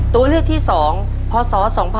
ตัวเลือกที่สองพศ๒๕๐๘